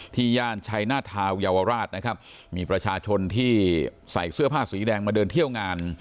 ย่านชัยหน้าทาวเยาวราชนะครับมีประชาชนที่ใส่เสื้อผ้าสีแดงมาเดินเที่ยวงาน